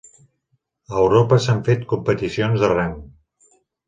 A Europa s'han fet competicions de rem.